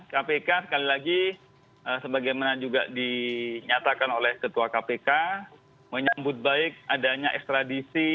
kpk sekali lagi sebagaimana juga dinyatakan oleh ketua kpk menyambut baik adanya ekstradisi